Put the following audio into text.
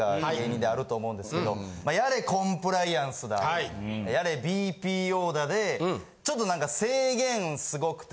やれコンプライアンスだやれＢＰＯだでちょっと何か制限すごくて。